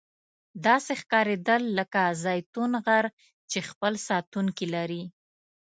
داسې ښکاریدل لکه زیتون غر چې خپل ساتونکي لري.